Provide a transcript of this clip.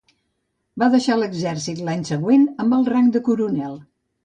Va deixar l'exèrcit l'any següent amb el rang de coronel.